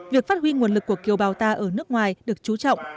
việc phát huy nguồn lực của kiều bào ta ở nước ngoài được trú trọng